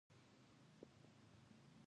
د نجونو تعليم د اعتماد بنسټونه پراخ ساتي.